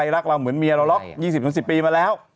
รักเราเหมือนเมียเราล็อก๒๐๑๐ปีมาแล้ว